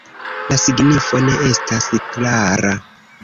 La signifo ne estas klara.